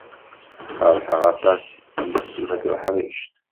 Ferḥeɣ aṭas yis-m, a tuḥṛict.